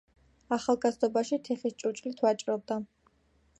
ახალგაზრდობაში თიხის ჭურჭლით ვაჭრობდა.